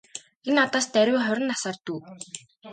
Энэ надаас даруй хорин насаар дүү.